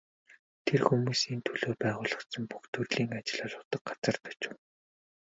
Тэр хүмүүсийн төлөө байгуулагдсан бүх төрлийн ажил олгодог газарт очив.